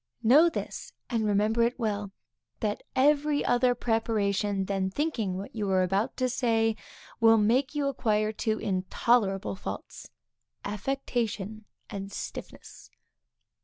Know this, and remember it well, that every other preparation than thinking what you are about to say, will make you acquire two intolerable faults, affectation and stiffness.